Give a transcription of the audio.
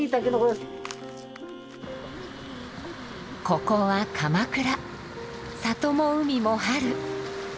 ここは鎌倉里も海も春。